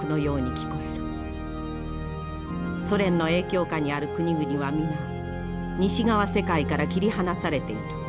ソ連の影響下にある国々は皆西側世界から切り離されている。